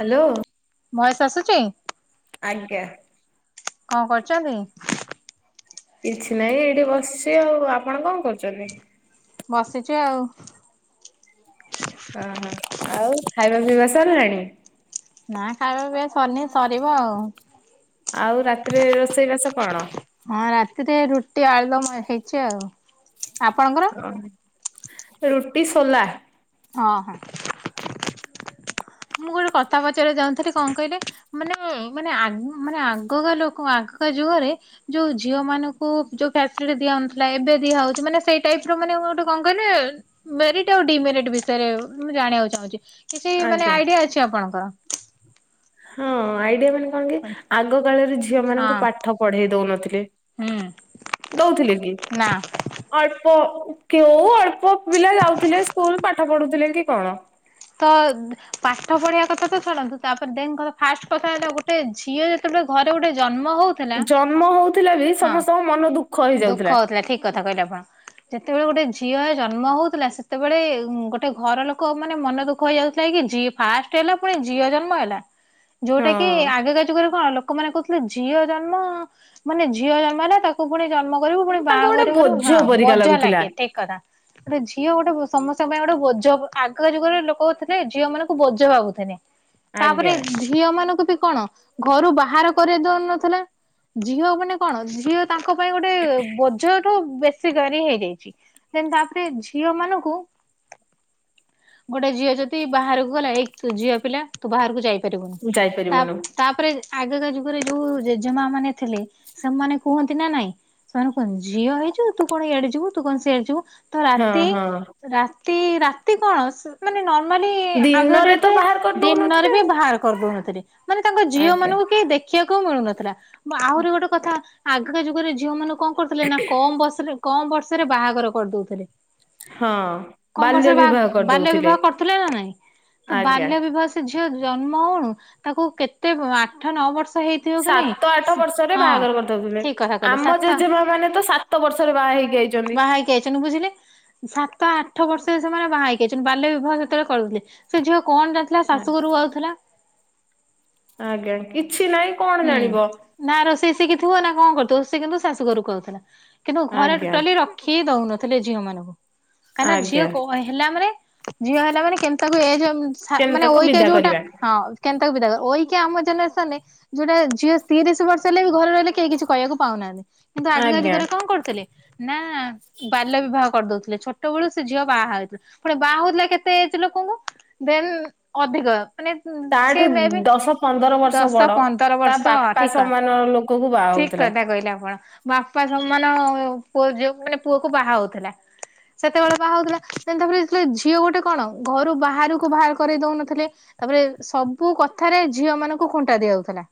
Hello voice ଆସୁଛି ଆଜ୍ଞା। କଣ କରୁଚନ୍ତି? କିଛିନାହିଁ ଏଇଠି ବସିଛି ଆଉ ଆପଣ କଣ କରୁଚନ୍ତି। ବସିଚି ଆଉ। ଅହ ଆଉ ଖାଇବା ପିଇବା ସରିଲାଣି। ନାଁ ଖାଇବା ପିଇବା ସରିନି ସରିବ ଆଉ। ଆଉ ରାତିରେ ରୋଷେଇ ବାସ କଣ? ହଁ ରାତିରେ ରୁଟି ଆଳୁଦମ ହେଇଚି ଆଉ। ଆପଣଙ୍କର? [unintelligible] ରୁଟି ସୋଲା। ହଁ ହଁ ମୁଁ ଗୋଟେ କଥା ପଚାରିବାକୁ ଚାହୁଁଥିଲି କଣ କହିଲେ ମାନେ ମାନେ ଆଗ ମାନେ ଆଗକା ଲୋକ ଆଗ କା ଯୁଗରେ। ଯୋଉ ଝିଅ ମାନଙ୍କୁ ଯୋଉ ଫ୍ୟାସିଲିଟି ଦିଆହଉନଥିଲା ଏବେ ଦିଆହଉଛି ମାନେ ସେଇଟାଇପର ମାନେ ଗୋଟେ କଣ କହିଲେ? ମେରିଟ ଆଉ ଡିମେରିଟ ବିଷୟରେ ମୁଁ ଜାଣିବାକୁ ଚାହୁଁଛି କିଛି ମାନେ ଆଜ୍ଞା ଆଇଡିଆ ଅଛି ଆପଣଙ୍କର? ହଁ ଆଇଡିଆ ମାନେ କଣକି ଆଗକାଳରେ ଝିଅ ମାନଙ୍କୁ ହଁ ପାଠ ପଢେଇ ଦଉନଥିଲେ। ହୁଁ ଦଉଥିଲେକି? ନା ଅଳ୍ପ କେଉଁ ଅଳ୍ପପିଲା ଯାଉଥିଲେ ସ୍କୁଲ ପାଠ ପଢୁଥିଲେକି କଣ? ତ ପାଠ ପଢିବା କଥାତ ଛାଡନ୍ତୁ ତାପରେ ଦେନ କର ଫାଷ୍ଟ କଥାହେଲା ଗୋଟେ ଝିଅ। ତେବେ ଘରେ ଗୋଟେ ଜନ୍ମହଉ। ଜନ୍ମ ହଉଥିଲେ ବି ସମସ୍ତଙ୍କ ମନ ଦୁଃଖ ହେଇଯାଉଥିଲା। ଠିକ୍ କଥା କହିଲେ ଆପଣ। ଯେତେବେଳେ ଗୋଟେ ଝିଅଏ ଜନ୍ମ ହଉଥିଲା ସେତେବେଳେ ଗୋଟେ ଘର ଲୋକ ମାନେ ମନ ଦୁ ଦୁଃଖ ହେଇଯାଉଥିଲା କିି ଜି ଫାଷ୍ଟେ ହେଲା ପୁଣି ଜିଅ ଜନ୍ମ ହେଲା। ଯୋଉଟା କି ଆଗକା ଯୁଗରେ କଣ ଲୋକମାନଙ୍କୁ ଗୋଟେ ଝିଅ ଜନ୍ମ ମାନେ ଝିଅ ଜନ୍ମ ନା ତାକୁ ପୁଣି ଜନ୍ମ କରିବୁ ହଁ ପୁଣି ତାଙ୍କୁ ଗୋଟେ ବାହାଘର କରିବୁ ବୋଝ ହାଁ ପରିକା ବଜା ଲାଗୁଥିଲା ଲାଗେ ଠିକ୍ କଥା। ଗୋଟେ ଝିଅ ଗୋଟେ ସମସ୍ତଙ୍କ ପାଇଁ ଗୋଟେ ବୋଝ ଆଗକା ଯୁଗରେ ଲୋକ୍ କହୁଥିଲେ ଝିଅ ମାନଙ୍କୁ ବୋଝ ଭାବୁଥିଲେ ତାପରେ ଆଜ୍ଞା। ଝିଅ ମାନଙ୍କୁ ବି କଣ ଘରୁ ବାହାର କରେଇ ଦଉନଥିଲେ ଝିଅ ମାନେ କଣ ଝିଅ ତାଙ୍କ ପାଇଁ ଗୋଟେ ବୋଝଠୁ ବେଶ୍ ସେ ଜରି ହେଇଯାଇଚି। ଦେନ ତାପରେ ଝିଅ ମାନଙ୍କୁ ଗୋଟେ ଝିଅ ଯଦି ବାହାରକୁ ଗଲା ଏଇ ତୁ ଝିଅ ପିଲା ତୁ ବାହାରକୁ ଯାଇପାରିବୁନି। ତା ଯାଇପାରିବୁନୁ ତାପରେ ଆଗକା ଯୁଗରେ ଯୋଉ ଜେଜେମା ମାନେ ଥିଲେ ସେମାନେ କୁହନ୍ତି ନା ନାଇଁ ସେମାନେ କୁହନ୍ତି ଝିଅ ହେଇଚୁ ତୁ କଣ ୟାଡେ ଯିବୁ ତୁ କଣ ସିଆଡେ ଯିବୁ ତୁ ହଁ ରାତି ହଁ ରାତି ରାତି କଣ ସ୍ ମାନେ ନର୍ମ ମାନେ ଆଗକା ଦିନରେ ଡେଟ୍ ତ ରେ ବାହାର ଦିନରେ କରିଦଉନଥିଲେ ବି ଆଉ। ବାହାର କରିଦଉନଥିଲେ ମାନେ ତାଙ୍କ ଝିଅ ଆଜ୍ଞା। ମାନଙ୍କୁ କେହି ଦେଖିଆକୁ ମିଳୁନଥିଲା। ମୁଁ ଆହୁରି ଗୋଟେ କଥା ଆଗକା ଯୁଗରେ ଝିଅ ମାନଙ୍କୁ କଁ କରୁଥିଲେ ନା କମ ବର୍ଷରେ କମ ବର୍ଷରେ ବାହାଘର କରିଦଉଥିଲେ। ହଁ କମ ବାଲ୍ୟ ବର୍ଷରେ ବା ବିବାହ ବାଲ୍ୟ କରିଦଉଥିଲେ। ବିବାହ କରୁଥିଲେ ନା ନାଇଁ ତ ଆଜ୍ଞା। ବାଲ୍ୟ ବିବାହ ସ୍ ସେ ଝିଅ ଜନ୍ମ ହଉଣୁ ତାକୁ କେତେ ଆଠ ନଅ ବର୍ଷ ହେଇ ସାତ ଆଠ ବର୍ଷରେ ବାହାଘର କରିଦଉଥିଲେ। ଠିକ କଥା କହିଲେ ଆମ ସାତ ଜେଜେମା ମାନେ ତ ସାତ ବର୍ଷରେ ବାହା ହେଇକି ଆଇଚନ୍ତି। କି ଆଇଚନ୍ତୀ ବୁଝିଲେ। ସାତ ଆଠ ବର୍ଷରେ ସେମାନେ ବାହା ହେଇକି ଆଇଚନ୍ତୀ ବାଲ୍ୟ ବିବାହ ସେତେବେଳେ କରୁଥିଲେ ସେ ଝିଅ କଣ ଯାଣିଥିଲା ଶାଶୁ ଆଜ୍ଞା ଘରକୁ ଆଉଥିଲା। ଆଜ୍ଞା କିଛି ନାଇଁ କଣ ହୁଁ ଜାଣିବ। ନା ରୋଷେଇ ଶିଖିଥିବ ନା କଣ କରୁଥିବ ସେ କିନ୍ତୁ ଶାଶୁ ଘରୁକୁ ଆଉଥିଲା କିନ୍ତୁ ଘରେ ଆଜ୍ଞା ଟୋଟାଲି ରଖ୍ ଖି ହିଁ ଦଉନଥିଲେ ଝିଅ ମାନଙ୍କୁ କାହିଁକି ନା ଝିଅ ଆଜ୍ଞା। କହେ ହେଲା ମାନେ ଝିଅ ହେଲା ମାନେ କେମିତି ତାକୁ ଏଜ୍ ଅଁ ସା କେମିତି ମାନେ ତାକୁ ଅଇକା ବିଦା ଯୋଉଟା କରିବା ହଁ କେନ୍ତାକୁ ବିଦା କରିବୁ। ଅଇକା ଆମ ଜେନେରେସନ ରେ ଯୋଉଟା ଝିଅ ତିରିଶି ବର୍ଷ ହେଲେ ବି ଘରେ ରହିଲେ କେହି କିଛି କହିଆକୁ ପାଉନାହାନ୍ତି। କିନ୍ତୁ ଆଗକା ଆଜ୍ଞା ଯୁଗରେ କଣ କରୁଥିଲେ ନାଁ ବାଲ୍ୟ ବିବାହ କରିଦଉଥିଲେ ଛୋଟ ବେଳୁ ସେ ଝିଅ ବାହା ହେଇଥିଲା। ପୁଣି ବାହା ହଉଥିଲା କେତେ ଏଜ୍ ଲୋକଙ୍କୁ ଦେନ୍ ଅଧିକ ମାନେ ତାଠୁ ସେ ମେବି ଦଶ ପନ୍ଦର ବର୍ଷ ଦଶ ବଡ ପନ୍ଦର ତା ବର୍ଷ ବାପା ଅଧିକା। ସମାନ ଲୋକକୁ ବାହା ଠିକ୍ ହଉଥିଲା କଥା କହିଲେ ଆପଣ। ବାପା ସମାନ ପୁଅ ଯୋଉ ମାନେ ପୁଅକୁ ବାହା ହଉଥିଲା। ସେତେବେଳେ ବାହା ହଉଥିଲା ଦେନ୍ ତାପରେ ଯେତେବେଳେ ଝିଅ ଗୋଟେ କଣ ଘରୁ ବାହାରୁକୁ ବାହାର କରେଇ ଦଉନଥିଲେ ତାପରେ ସବୁ କଥାରେ ଝିଅ ମାନଙ୍କୁ ଖୁଣ୍ଟା ଦିଆଯାଉଥିଲା।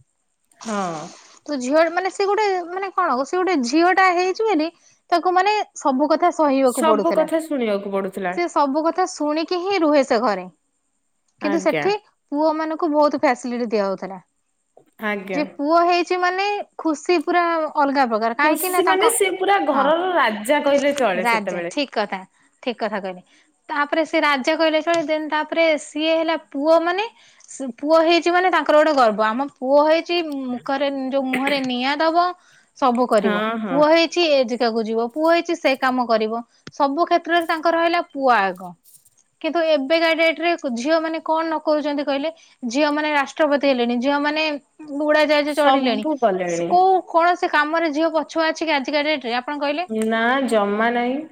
ହଁ। ତୁ ଝିଅ ମାନେ ସେ ଗୋଟେ ମାନେ କଣ ସିଏ ଗୋଟେ ଝିଅ ଟା ହେଇଚି ବୋଲି ତାକୁ ମାନେ ସବୁ କଥା ସହିବାକୁ ସବୁ ପଡୁଥିଲା। କଥା ଶୁଣିବାକୁ ପଡୁଥିଲା ସେ ସବୁକଥା ଶୁଣିକି ହିଁ ରୁହେ ସେ ଘରେ କିନ୍ତୁ ଆଜ୍ଞା ସେଠି ପୁଅ ମାନଙ୍କୁ ବହୁତ ଫ୍ୟାସିଲିଟି ଦିଆଯାଉଥିଲା। ଆଜ୍ଞା। ଯେ ପୁଅ ହେଇଚି ମାନେ ଖୁସି ପୁରା ଅଲଗା ପ୍ରକାର। [unintelligible] କାହିଁକି ନା ଖୁସି ମାନେ ତାଙ୍କ ସେ ପୁରା ଘରର ରାଜା କହିଲେ ହଁ- ଚଳେ ରାଜା ସେତେବେଳେ। ଠିକ୍ କଥା। ଠିକ୍ କଥା କହିଲେ ତାପରେ ସେ ରାଜା କହିଲେ [unintelligible] ଦେନ୍ ତାପରେ ସିଏ ହେଲା ପୁଅ ମାନେ ପୁଅ ହେଇଚି ମାନେ ତାଙ୍କର ଗୋଟେ ଗର୍ବ। ଆମ ପୁଅ ହେଇଚି ମୁଖରେ ଯଉ ମୁହଁରେ ନିଆଁ ଦବ ସବୁ କରିବ ହଁ ହଁ ପୁଅ ହେଇ କିଛି ଏ ଜାଗାକୁ ଯିବ ପୁଅ ହେଇଚି ସେ କାମ କରିବ ସବୁ କ୍ଷେତ୍ରରେ ତାଙ୍କର ରହିଲା ପୁଅ ଆଗ। କିନ୍ତୁ ଏବେକା ଡେଟ୍ ରେ ଝିଅ ମାନେ କଣ ନ କରୁଚନ୍ତି କହିଲେ। ଝିଅ ମାନେ ରାଷ୍ଟ୍ରପତି ହେଲେଣି ଝିଅ ମାନେ ଉଡାଜାହାଜ ଚଢିଲେଣି ସବୁ କଲେଣି କଉ କୌଣସି କାମ ଝିଅ ପଛୁଆ ଅଛିକି ଆଜିକା ଡେଟ୍ ରେ ଆ ନା ଜମା ନାହିଁ।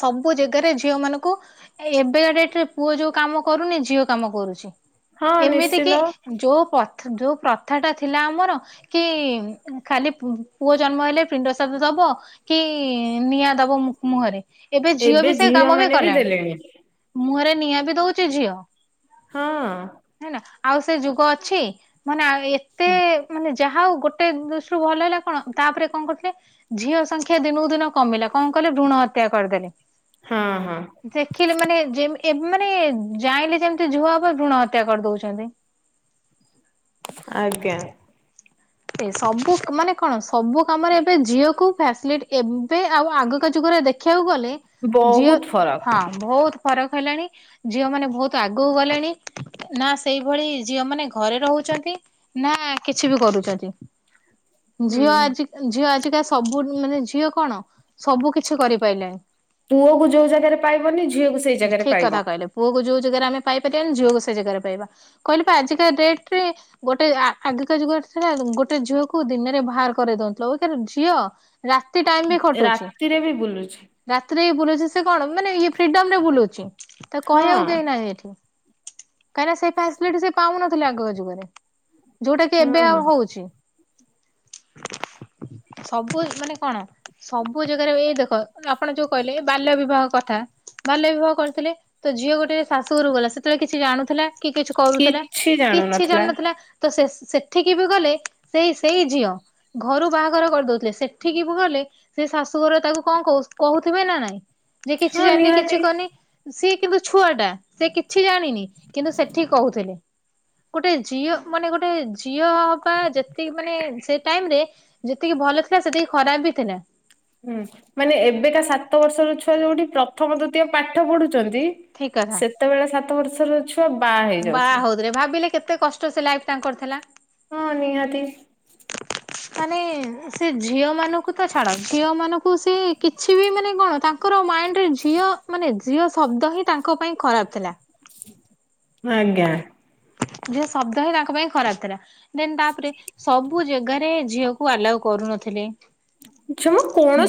ସବୁ ଜେଗାରେ ଝିଅ ମାନଙ୍କୁ ଏବେକା ଡେଟ୍ ରେ ପୁଅ ଯଉ କାମ କରୁନି ଝିଅ କାମ କରୁଚି। ହଁ ଏମିତି କି ନିଶ୍ଚିନ୍ତ ଯଉ ପଥା- ଯଉ ପ୍ରଥା ଟା ଥିଲା ଆମର କି ଖାଲି ପୁ-ପୁଅ ଜନ୍ମ ହେଲେ ପିଣ୍ଡ ଶ୍ରାଦ୍ଧ ଦବ କି ନିଆଁ ଦବ ମୁ- ମୁହଁରେ ଏବେ ଝିଅ ବି ସେ କାମ ବି କଲାଣି। ମୁହଁରେ ନିଆଁ ବି ଦଉଚି ଝିଅ। ହଁ। ହେଲା ଆଉ ସେ ଯୁଗ ଅଛି ମାନେ ଆ-ଏତେ ମାନେ ଯାହା ହଉ ଗୋଟେ ଦୃଷ୍ଟିରୁୁ ଭଲ ହେଲା କଣ ତାପରେ କଣ କରୁଥିଲେ ଝିଅ ସଂଖ୍ୟା ଦିନକୁ ଦିନ କମିଲା କଣ କଲେ ଭୃଣ ହତ୍ୟା କରିଦେଲେ। ହଁ- ହଁ। ଦେଖିଲେ ମାନେ ଯେମି- ମାନେ ଯାଇଁଲେ ଯେମିତି ଝୁଅ ହବ ଭୃଣ ହତ୍ୟା କରିଦଉଚନ୍ତି। ଆଜ୍ଞା। ସବୁ ମାନେ କଣ ସବୁ କାମରେ ଏବେ ଝିଅକୁ ଫ୍ୟାସିଲିଟି ଏବେ ଆଉ ଆଗକା ଯୁଗରେ ଦେଖ୍ ଖିବାକୁ ଗଲେ ଝିଅ ବହୁତ ଫରକ। ହଁ ବହୁତ୍ ଫରକ୍ ହେଲାଣି ଝିଅ ମାନେ ବହୁତ୍ ଆଗକୁ ଗଲେଣି ନା ସେଇଭଳି ଝିଅ ମାନେ ଘରେ ରହୁଚନ୍ତି। ନା କିଛି ବି କରୁଚନ୍ତି। ହୁଁ ଝିଅ ଆଜି ଝିଅ ଆଜିକା ସବୁ ମାନେ ଝିଅ କଣ ସବୁ କିଛି କରିପାରିଲେଣି ପୁଅକୁ ଯୋଉ ଜାଗାରେ ପାଇବନି ଝିଅକୁ ସେଇ ଜାଗାରେ ଠିକ୍ କଥା ପାଇବ। କହିଲେ। ପୁଅ କୁ ଯଉ ଜାଗାରେ ଆମେ ପାଇପାରିବାନି ଝିଅକୁ ସେଇ ଜାଗାରେ ପାଇବା। କହିଲି ପା ଆଜିକା ଡେଟ୍ ରେ ଗୋଟେ ଆ-ଆଗିକା ଯୁଗ ଥିଲା ଗୋଟେ ଝିଅକୁ ଦିନରେ ବାହାର କରେଇ ଦଉନଥିଲେ [unintelligible] ଝିଅ ରାତି ଟାଇମ୍ ବି ଖଟୁଚି। ରାତିରେ ବି ବୁଲୁଛି ରାତିରେ ବି ବୁଲୁଚି ସେ କଣ ମାନେ ଇଏ ଫ୍ରିଡମ୍ ରେ ବୁଲୁଚି ତାକୁ ହଁ କହିବାକୁ କେହି ନାହିଁ ଏଠି। କାହିଁକି ନା ସେ ଫାସିଲିଟି ସେ ପାଉନଥିଲେ ଆଗ ଯୁଗରେ ଯଉଟା କି ଏବେ ହଁ। ଆଉ ହଉଚି। ସବୁ ଇଏ ମାନେ କଣ ସବୁ ଜାଗାରେ ଏଇ ଦେଖ ଆପଣ ଯଉ କହିଲେ ଏ ବାଲ୍ୟ ବିବାହ କଥା ବାଲ୍ୟ ବିବାହ କରିଥିଲେ ତ ଝିଅ ଗୋଟିଏ ଶାଶୁଘରକୁ ଗଲା ସେତେବେଳେ କିଛି ଜାଣୁଥିଲା। କି କିଛି କରୁଥିଲା କିଛି କିଛି ଜାଣୁନଥିଲା ଜାଣିନଥିଲା ତ ସେ ସେଠିକି ବି ଗଲେ ସେଇ ସେଇ ଝିଅ ଘରୁ ବାହାଘର କରିଦଉଥିଲେ ସେଠିକି ବି ଗଲେ ସେ ଶାଶୁଘର ତାକୁ କଣ କ- କହୁଥିବେ ନା ନାଇଁ ଯେ କିଛି ହଁ ଜାଣିନି କିଛି ନିହାତି। କରୁନି ସିଏ କିନ୍ତୁ ଛୁଆ ଟା ସେ କିଛି ଜାଣିନି କିନ୍ତୁ ସେଠି କହୁଥିଲେ। ଗୋଟେ ଝିଅ ମାନେ ଗୋଟେ ଝିଅ ହବା ଯେତ୍ ତିକି ମାନେ ସେ ଟାଇମ୍ ରେ ଯେତିକି ଭଲ ଥିଲା ସେତିକି ଖରାପ୍ ବି ଥିଲା। ହୁଁ ମାନେ ଏବେକା ସାତ ବର୍ଷର ଛୁଆ ଯଉଠି ପ୍ରଥମ ଦ୍ୱିତୀୟ ପାଠ ପଢୁଚନ୍ତି ଠିକ୍ କଥା। ସେତେବେଳେ ସାତ ବର୍ଷର ଛୁଆ ବାହା ହେଇଯାଉଥିଲେ। ରେ ଭାବିଲେ କେତେ କଷ୍ଟ ସେ ଲାଇଫ ତାଙ୍କର ଥିଲା? ହଁ ନିହାତି। ମାନେ ସେ ଝିଅମାନଙ୍କୁ ତ ଛାଡ ଝିଅ ମାନ ସେ କିଛି ବି ମାନେ କଣ ତାଙ୍କର ମାଇଣ୍ଡରେ ଝିଅ ମାନେ ଝିଅ ଶବ୍ଦ ହିଁ ତାଙ୍କ ପାଇଁ ଖରାପ ଥିଲା। ଆଜ୍ଞା। ଝିଅ ଶବ୍ଦ ହିଁ ତାଙ୍କ ପାଇଁ ଖରାପ ଥିଲା। ଦେନ ତାପରେ ସବୁ ଜାଗାରେ ଝିଅକୁ ଆଲାଉ କରୁନଥିଲେ। ଜ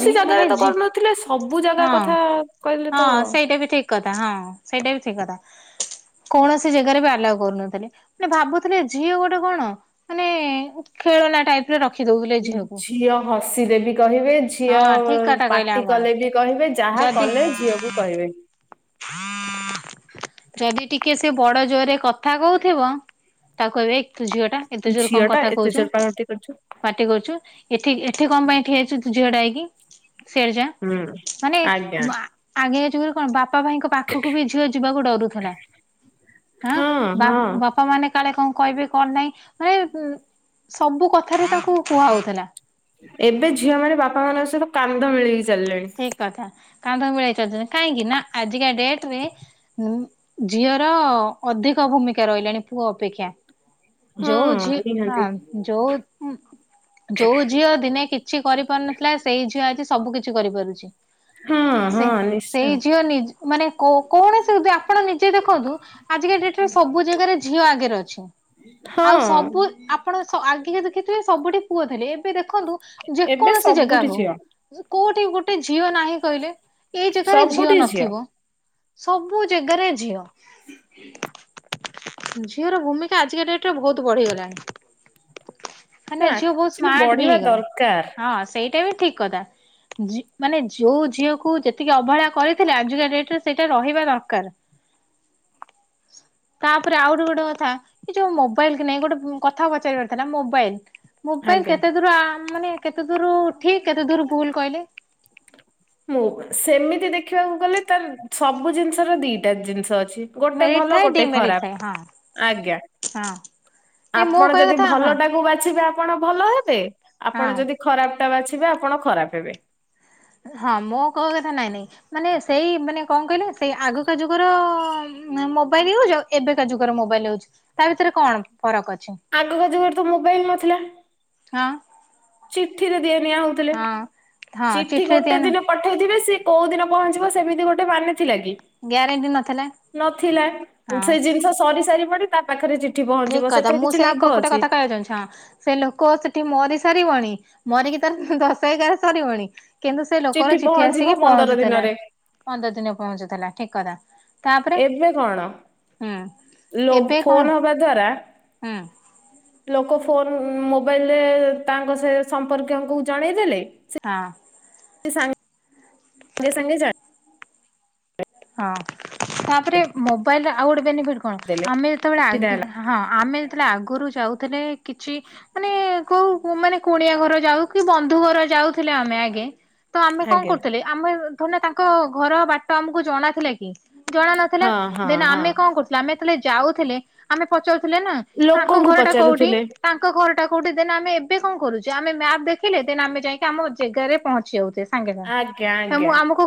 ଝି ମାନେ ଜାଗାରେ ତ ଝି କରୁନଥିଲେ ସବୁ ଜାଗା ହଁ କଥା କହିଲେ ହଁ ତ। ସେଇଟା ବି ଠିକ କଥା ହଁ ସେଇଟା ବି ଠିକ୍ କଥା। କୌଣସି ଜାଗାରେ ବି ଆଲାଉ କରୁନଥିଲେ ମାନେ ଭାବୁଥିଲେ ଝିଅ ଗୋଟେ କଣ? ମାନେ ଖେଳନା ଟାଇପ ର ରଖି ଦଉଥିଲେ ଝିଅକୁ ଝିଅ ହସିଲେ ବି କହିବେ ଝିଅ ହଁ ଠିକ କଥା କହିଲେ ପାଟି ଆପଣ କଲେ ବି କହିବେ ଯାହା ଯଦି କଲେ ଝିଅକୁ କହିବେ। [inaudible] ଯଦି ଟିକେ ସେ ବଡ ଜୋରରେ କ କଥା କହୁଥିବ ତାକୁ କହିବେ ଏ ତୁ ଝିଅଟା ଏତେ ଜୋରରେ ଝିଅ କଣ ଟା କଥା ଏତେ କହୁଛୁ? ଜୋର ପାଟି କରୁଛୁ ପାଟି କରୁଛୁ ଏଠି ଏଠି କଣ ପାଇଁ ଠିଆହେଇଛୁୁ ତୁ ଝିଅଟା ହେଇକି? ସିଆଡେ ଯା। ହୁଁ ମାନେ ଆଜ୍ଞା ଆ ଆଗେ ଏଇ ଯୁଗରେ କଣ ବାପା ଭାଇଙ୍କ ପାଖକୁ ବି ଝିଅ ଯିବାକୁ ଡରୁଥିଲା ହଁ। ବା ବାପା ମାନେ କାଳେ କଣ କହିବେ କଣ ନାହିଁ? ମାନେ ସବୁ କଥାରେ ତାକୁ କୁହା ହଉଥିଲା। ଏବେ ଝିଅମାନେ ବାପା ମାନଙ୍କ ସହିତ କାନ୍ଧ ମିଳେଇକି ଚାଲିଲେଣି। ଠିକ କଥା କାନ୍ଧ ମିଳେଇକି ଚାଲୁଛନ୍ତି କାହିଁକି ନା ଆଜିକା ଡେଟ ରେ ଝିଅର ଅଧିକ ଭୂମିକା ରହିଲାଣି ପୁଅ ଅପେକ୍ଷା। ହଁ ଯୋଉ ଝିଅ ନିହାତି ହଁ ଯୋଉ ଯୋଉ ଝିଅ ଦିନେ କିଛି କରିପାରୁନଥିଲା ସେଇ ଝିଅ ଆଜି ସବୁ କି କରିପାରୁଛି ହଁ ହଁ ସେ ନିଶ୍ଚୟ ସେଇ ଝିଅ ନି ମାନେ କୋଉ କୌଣସି ବି ଆପଣ ନିଜେ ଦେଖନ୍ତୁ। ଆଜିକା ଡେଟରେ ସବୁ ଜାଗାରେ ଝିଅ ଆଗରେ ଅଛି। ଆଉ ହଁ ସବୁ ଆପଣ ଆଗେ ଦେଖିଥିବେ ସବୁଠି ପୁଅ ଥିଲେ ଏବେ ଦେଖନ୍ତୁ। ଏବେ ଯେକୌଣସି ଜାଗା ସବୁଠି ହେଉ। ଝିଅ କୋଉଠି ଗୋଟେ ଝିଅ ନାହିଁ କହିଲେ ଏଇ ଜାଗାରେ ଝିଅ ନଥିବ। ସବୁ ଜେଗାରେ ଝିଅ। [inaudible] ଝିଅର ଭୂମିକା ଆଜିକା ଡେଟରେ ବହୁତ ବଢିଗଲାଣି। ସେ ମାନେ ଝିଅ ବହୁତ ଆକ୍ଚୁଆଲି ସ୍ମାର୍ଟ ବି ବଢିବା ହେଇଗଲାଣି ଦରକାର ହଁ ସେଇଟା ବି ଠିକ କଥା। ମାନେ ଯୋଉ ଝିଅକୁ ଯେତିକି ଅବହେଳା କରିଥିଲେ ଆଜିକା ଡେଟରେ ସେଇଟା ରହିବା ଦରକାର। [inaudible] ତାପରେ ଆହୁରି ଗୋଟେ କଥା ଏ ଯୋଉ ମୋବାଇଲ କି ନେଇ ଗୋଟେ କଥା ପଚାରିବାର ଥିଲା ମୋବାଇଲ। ମୋବାଇଲ ଆଜ୍ଞା। କେତେ ଦୂର ଆ ମାନେ କେତେ ଦୂର ଠିକ କେତେ ଦୂର ଭୁଲ କହିଲେ? ସେମିତି ଦେଖିବାକୁ ଗଲେ ତାର ସବୁ ଜିନିଷର ଦିଟା ଜିନିଷ ଅଛି। ଗୋଟେ ମେରିଟ ଭଲ ଥାଏ ଗୋଟେ ଡିମେରିଟ ଖରାପ। ଥାଏ ହଁ ଆଜ୍ଞା। ହଁ ନାଇଁ ମୋ ଆପଣ କହିବା ଯଦି କଥା ହଁ ଭଲଟାକୁ ବାଛିବେ ଆପଣ ଭଲ ହେ ବେ ହଁ ଆପଣ ଯଦି ଖରାପଟା ବାଛିବେ ଆପଣ ଖରାପ ହେବେ। ହଁ ମୋ କହିବା କଥା ନାଇଁ ନାଇଁ ମାନେ ସେଇ ମାନେ କଣ କହିଲେ? ସେଇ ଆଗକା ଯୁଗର ମୋବାଇଲ ୟୁଜ ଆଉ ଏବେକା ଯୁଗର ମୋବାଇଲ ୟୁଜ। ତା ଭିତରେ କଣ ଫରକ ଅଛି? ଆଗକା ଯୁଗରେ ତ ମୋବାଇଲ ନଥିଲା। ହଁ। ଚିଠିରେ ଦିଏ ନିଆ ହଉଥିଲେ ହଁ ହଁ ଚିଠି ଚିଠିରେ ଗୋଟେ ଦିଆ ଦିନ ପଠେଇଥିବେ ସିଏ କୋଉ ଦିନ ପହଞ୍ଚିବ ସେମିତି ଗୋଟେ ମାନେ ଥିଲା କି? ଗ୍ୟାରେଣ୍ଟି ନଥିଲା ନଥିଲା ହଁ ସେ ଜିନିଷ ସରି ସାରିବଣି ତା ପାଖରେ ଚିଠି ପହଞ୍ଚିବ ସେଥିରେ କିଛି ଲାଭ ଅଛି। ଆଚ୍ଛା। ସେ ଲୋକ ସେଠି ମରି ସାରିବଣି ମରିକି ତାର ଦଶ ଏଗାର ସରିବଣି କିନ୍ତୁ ସେ ଲୋକର ଚିଠି ପହଞ୍ଚିବ ଆସିକି ପନ୍ଦର ପହଞ୍ଚୁଥିଲା ଦିନରେ ପନ୍ଦର ଦିନେ ପହଞ୍ଚୁଥିଲା ଠିକ କଥା। ତାପରେ ଏବେ କଣ ହୁଁ ଲୋ ଫୋନ୍ ହବା ଦ୍ଵାରା ହାଁ ଲୋକ ଫୋନ୍ ମୋବାଇଲରେ ତାଙ୍କ ସେ ସମ୍ପର୍କୀୟଙ୍କୁ ଜଣେଇ ଦେଲେ ହଁ। ସେ ସାଙ୍ଗ ସାଙ୍ଗେ ସାଙ୍ଗେ ଜାଣ ହଁ ତାପରେ ମୋବାଇଲରେ ଆଉ ଗୋଟେ ବେନିଫିଟ୍ କଣ ଦେଲେ ଆମେ ଯେତେବେଳେ ସୁବିଧା ଆଗେ ହେଲା ହଁ ଆମେ ଯେତେବେଳେ ଆଗରୁ ଯାଉଥିଲେ କିଛି ମାନେ କୋଉ ମାନେ କୁଣିଆ ଘର ଯାଉ କି ବନ୍ଧୁ ଘର ଯାଉଥିଲେ ଆମେ ଆଗେ ତ ଆମେ କଣ ଆଜ୍ଞା। କରୁଥିଲେ ଆମେ ଧୋଡି ନା ତାଙ୍କ ଘର ବାଟ ଆମକୁ ଜଣା ଥିଲେ କି? ଜଣା ନଥିଲା ହଁ ହଁ ଦେନ ହଁ ଆମେ କଣ କରୁଥିଲେ ଆମେ ଯେତେବେଳେ ଯାଉଥିଲେ ଆମେ ପଚାରୁଥିଲେ ନା? ୟାଙ୍କ ଲୋକଙ୍କୁ ଘର ଟା କୋଉଠି? ପଚାରୁଥିଲେ ତାଙ୍କ ଘରଟା କଉଠି ଦେନ୍ ଆମେ ଏବେ କଣ କରୁଚେ ଆମେ ମ୍ୟାପ୍ ଦେଖିଲେ ଦେନ ଆମେ ଯାଇଁ କି ଆମ ଜେଗାରେ ପହଞ୍ଚି ଯାଉଚେ। ସାଙ୍ଗେ ସାଙ୍ଗେ ଆଜ୍ଞା ତ ମୁଁ ଆଜ୍ଞା। ଆମକୁ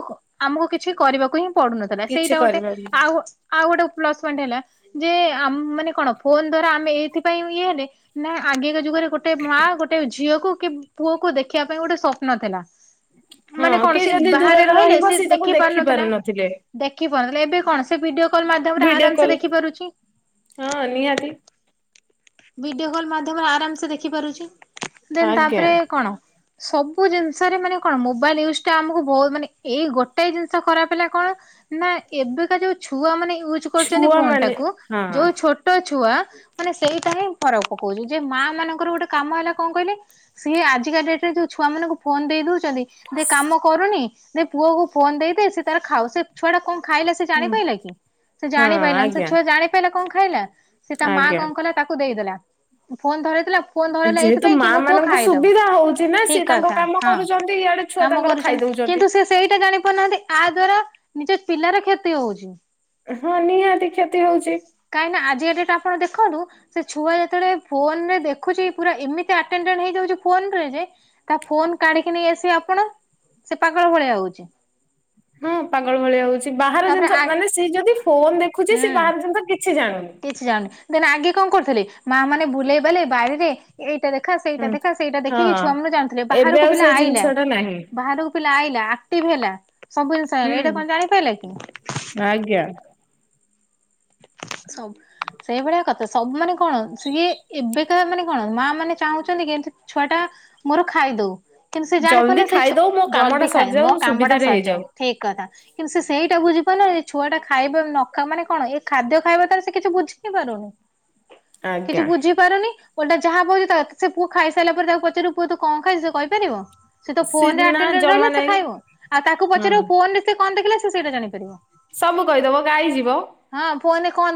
ଆମକୁ କିଛି କରିବାକୁ ହିଁ ପଡୁନଥିଲା କିଛି ସେଇଟା ଗୋଟେ କରିବା ଆଉ ଆଉ ଗୋଟେ ପ୍ଲସ ପଏଣ୍ଟ ହେଲା ଯେ ଆ ମାନେ କଣ ଫୋନ ଦ୍ଵାରା ଆମେ ଏଇଥିପାଇଁ ଇଏ ହେଲେ ନା ଆଗେକା ଯୁଗରେ ଗୋଟ ଗୋଟେ ମାଁ ଗୋଟେ ଝିଅକୁ କି ପୁଅ କୁ ଦେଖିବା ପାଇଁ ଗୋଟେ ସ୍ୱପ୍ନ ଥିଲା। ହଁ ମାନେ କଣ କିଏ ସିଏ ଯଦି ବାହାରେ ଦୂରରେ ରହିଲେ ରହିବ ସିଏ ତାକୁ ଦେଖି ପାରୁ ନଥିଲା। ପାରୁନଥିଲେ। ଦେଖି ପାରୁ ଏବେ କଣ ସେ ଭିଡିଓ କଲ ମାଧ୍ୟମରେ ଭିଡିଓ ଆରାମ ସେ କଲ ଦେଖିପାରୁଛି। ହଁ ନିହାତି। ଭିଡିଓ କଲ୍ ମାଧ୍ୟମରେ ଆରାମ ସେ ଦେଖି ପାରୁଛି ଦେନ୍ ଆଜ୍ଞା। ତାପରେ କଣ? ସବୁ ଜିନିଷରେ ମାନେ କଣ ମୋବାଇଲ ୟୁଜ ଟା ଆମକୁ ବହୁତ ମାନେ ଏଇ ଗୋଟେ ଜିନିଷ ଖରାପ ହେଲା କଣ? ନା ଏବେକା ଯୋଉ ଛୁଆ ମାନେ ୟୁଜ୍ କରୁଚନ୍ତି ଛୁଆ ଫୋନ ମାନେ ଟାକୁ ହଁ ଯୋଉ ଛୋଟ ଛୋଟ ଛୁଆ ମାନେ ସେଇଟା ହିଁ ଫରକ ପକଉଚି ଯେ ମାଁ ମାନଙ୍କର ଗୋଟେ କାମ ହେଲା କଣ କହିଲେ ସିଏ ଆଜିକା ଡେଟ ରେ ଯୋଉ ଛୁଆମାନଙ୍କୁ ଫୋନ ଦେଇ ଦଉଚନ୍ତି। ଦେ କାମ କରୁନି ଦେ ପୁଅକୁ ଫୋନ ଦେଇଦେ ସିଏ ତାର ଖାଉ ସେ ଛୁଆ ଟା କଣ ଖାଇଲା ସେ ଜାଣି ହୁଁ, ପାଇଲା କି ସେ ହଁ ଜାଣି ପାଇଲାନି ସେ ଆଜ୍ଞା ଛୁଆ ଜାଣି ପାଇଲା କଣ ଖାଇଲା? ସେ ତା ମାଁ ଆଜ୍ଞା। କଣ କଲା ତାକୁ ଦେଇଦେଲା ଫୋନ ଧରେଇଦେଲା ଫୋନ୍ ଧରେଇଲା ଯେହେତୁ ଏଇଥିପାଇଁ କି ମା ମୋ ପୁଅ ମାନଙ୍କୁ ସୁବିଧା ହଉଛି ନା ଖାଇଦବ ଠିକ ସିଏ ତାଙ୍କ କଥା କାମ ହଁ। କରୁଛନ୍ତି ଇଆଡେ ଛୁଆ କାମ ତାଙ୍କର କରୁଚନ୍ତି ଖାଇଦଉଛନ୍ତି। କିନ୍ତୁ ସିଏ ସେଇଟା ଜାଣି ପାରୁନାହାନ୍ତି ଆ ଦ୍ଵାରା ନିଜ ପିଲାର କ୍ଷତି ହଉଚି। ହଁ ନିହାତି କ୍ଷତି ହଉଚି। କାଇଁ ନା ଆଜିକା ଡେଟ୍ ରେ ଆପଣ ଦେଖନ୍ତୁ ସେ ଛୁଆ ଯେତେବେଳେ ଫୋନ ରେ ଦେଖୁଚି ପୁରା ଏମିତି ଆଟେନଡେନ୍ଡ ହେଇଯାଉଚି ଫୋନରେ ଯେ ତା ଫୋନ କାଣିକି ନେଇ ଆସିବେ ଆପଣ ସେ ପାଗଳ ଭଳିଆ ହଉଚି। ହଁ ପାଗଳ ଭଳିଆ ହଉଚି ବାହାର ତାପରେ ଜିନିଷ ଆ ମାନେ ସିଏ ଯଦି ଫୋନ ଦେଖୁଛି ସିଏ ହୁଁ ବାହାର ଜିନିଷ କିଛି ଜାଣୁନି। କିଛି ଜାଣୁନି ଦେନ୍ ଆଗେ କଣ କରୁଥିଲେ ମାଁ ମାନେ ବୁଲେଇବାଲେଇ ବାରିରେ ଏଇଟା ଦେଖା ସେଇଟା ହୁଁ ଦେଖା ସେଇଟା ହଁ। ଦେଖିକି ଛୁଆ ମାନେ ଜାଣୁଥିଲେ ଏବେ ବାହାରକୁ ଆଉ ପିଲା ସେଇ ଜିନିଷ ଆଇଲା ଟା ନାହିଁ ବାହାରକୁ ଉଲା ଆଇଲା। ଆକ୍ଟିଭ ହେଲା ସବୁ ଜିନିଷ ହୁଁ ଆଇଲା। ଏଇଟା କଁ ଜାଣି ପାଇଲା କି? ଆଜ୍ଞା। ସବ୍ ସେଇ ଭଳିଆ କଥା ସବ୍ ମାନେ କଣ ସିଏ ଏବେକା ମାନେ କଣ ମା ମାନେ ଚାହୁଁଚନ୍ତି କେମତି ଛୁଆଟା ମୋର ଖାଇଦଉ। କିନ୍ତୁ ସେ ଜାଣି ଜଲ୍ଦି ପାରୁନେଇ ସେଇ ଛୁ ଖାଇଦଉ ମୋ କାମ ଜଲଦି ଟା ଖାଏ ସରିଯାଉ ମୋ କାମଟା ସୁବିଧାରେ ସରିଯାଉ। ହେଇଯାଉ ଠିକ୍ କଥା କିନ୍ତୁ ସେ ସେଇଟା ବୁଝିପାରୁ ନାହାନ୍ତି ଛୁଆଟା ଖାଇବା ନ ଖା ମାନେ କଣ ଏ ଖାଦ୍ୟ ଖାଇବା ତାର ସେ କିଛି ବୁଝି ହିଁ ପାରୁନି। କିଛି ଆଜ୍ଞା। ବୁଝି ପାରୁନି ଓଲଟା ଯାହା କହୁଚି ତା ସେ ପୁଅ ଖାଇସାଇଲା ପରେ ତାକୁ ପଚାରିବୁ ପୁଅ ତୁ କଁ ଖାଇ ସେ କହିପାରିବ? ସେ ତ ଫୋନ୍ ରେ ସିନା ଆଟେଣ୍ଡେ ଜମା ରହିଲେ ସେ ନାହିଁ ଖାଇବ? ଆଉ ତାକୁ ପଚାରିବ ହଁ ଫୋନ୍ ରେ ସେ କଣ ଦେଖିଲା ସେ ସେଇଟା ଜାଣିପାରିବ। ସବୁ କହି ଦବ ଗାଇ ଯିବ। ହଁ ଫୋନ୍ ରେ କଁ ଦେ